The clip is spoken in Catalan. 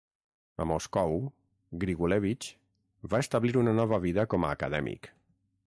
A Moscou, Grigulevich va establir una nova vida com a acadèmic.